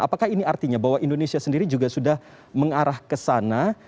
apakah ini artinya bahwa indonesia sendiri juga sudah mengarah ke sana